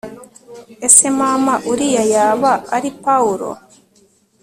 Ese mama uriya yaba ari Pawulo